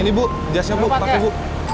ini bu jasnya bu pakai bu